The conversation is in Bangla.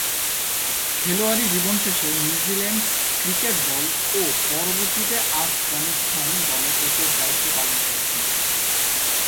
খেলোয়াড়ী জীবন শেষে নিউজিল্যান্ড ক্রিকেট দল ও পরবর্তীতে আফগানিস্তান দলে কোচের দায়িত্ব পালন করেছেন।